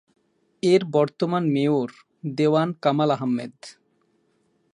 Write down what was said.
এর বর্তমান মেয়র দেওয়ান কামাল আহমেদ।